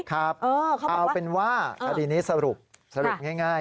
ครับเอาเป็นว่าคดีนี้สรุปสรุปง่าย